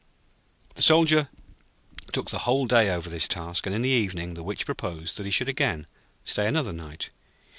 The Soldier took the whole day over this task, and in the evening the Witch proposed that he should again stay another night.